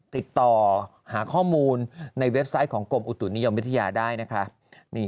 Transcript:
ติดต่อหาข้อมูลในเว็บไซต์ของกรมอุตุนิยมวิทยาได้นะคะ